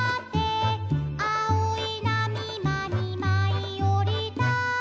「あおいなみまにまいおりた」